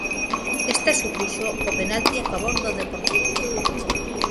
Esta supuxo o penalti a favor do Deportivo.